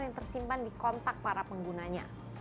yang tersimpan di kontak para penggunanya